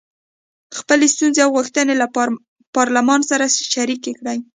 خپلې ستونزې او غوښتنې له پارلمان سره شریکې کړي.